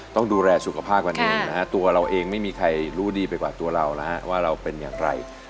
ต้องดูแลสุขภาพกันเองนะฮะตัวเราเองไม่มีใครรู้ดีไปกว่าตัวเรานะฮะว่าเราเป็นอย่างไร